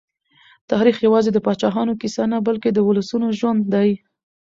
تاریخ یوازې د پاچاهانو کیسه نه، بلکې د ولسونو ژوند دی.